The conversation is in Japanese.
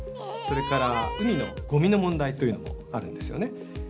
それから海のゴミの問題というのもあるんですよね。